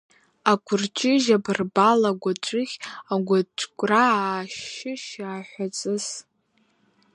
Акәырҷыжь абарбал, агәаҵәыхь агәаҵәкра, аашьышь аҳәаҵыс.